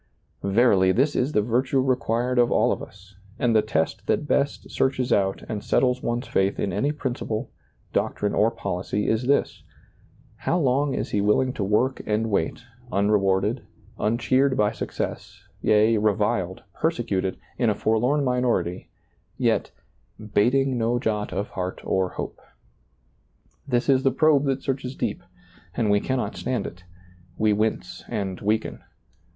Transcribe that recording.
Verily, this is the virtue required of all of us ; and the test that best searches out and settles ^lailizccbvGoOgle 72 SEEING DARKLY one's faith in any principle, doctrine, or policy is this; How long is he willing to work and wait, unrewarded, uncheered by success, yea, reviled, persecuted, in a forlorn minority, yet "bating no jot of heart or hope"? This is the probe tliat searches deep, and we cannot stand it ; we wince and weaken.